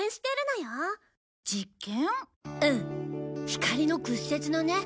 光の屈折のね。